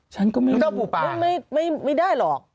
ฉันก็ไม่รู้น้ำเต้าปูปลาน้ำเต้าปูปลาไม่ได้หรอก